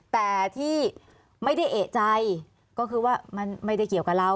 แต่ที่ไม่ได้เอกใจก็คือว่ามันไม่ได้เกี่ยวกับเรา